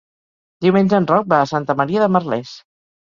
Diumenge en Roc va a Santa Maria de Merlès.